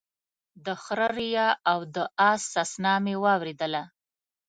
د خره ريا او د اس سسنا مې واورېدله